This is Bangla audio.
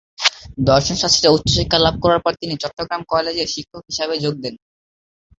দর্শন শাস্ত্রে উচ্চ শিক্ষা লাভ করার পর তিনি চট্টগ্রাম কলেজে শিক্ষক হিসাবে যোগ দেন।